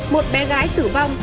một bé gái tử vong